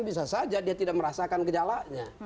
bisa saja dia tidak merasakan gejalanya